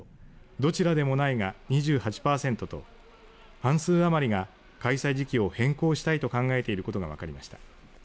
どちらでもないが２８パーセントと半数余りが開催時期を変更したいと考えていることが分かりました。